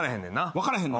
分からへんの？